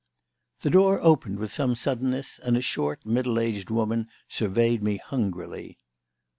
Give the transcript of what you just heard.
The door opened with some suddenness, and a short, middle aged woman surveyed me hungrily.